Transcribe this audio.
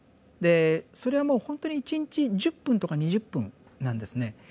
でそれはもうほんとに一日１０分とか２０分なんですね。